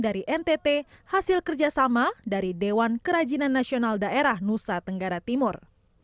dari ntt hasil kerjasama dari dewan kerajinan nasional daerah nusa tenggara timur